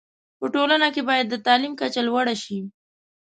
په ټولنه کي باید د تعلیم کچه لوړه شی